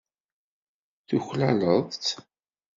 Tuklaleḍ-tt.